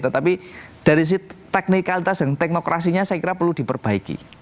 tetapi dari sisi teknikalitas dan teknokrasinya saya kira perlu diperbaiki